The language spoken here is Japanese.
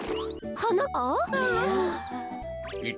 はなかっ